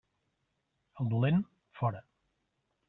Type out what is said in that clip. El dolent, fora.